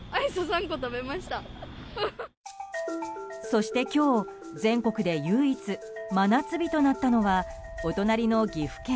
そして今日、全国で唯一真夏日となったのはお隣の岐阜県。